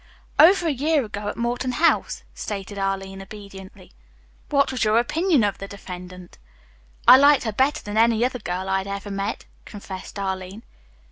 "Over a year ago, at Morton House," stated Arline obediently. "What was your opinion of the defendant?" "I liked her better than any other girl I had ever met," confessed Arline.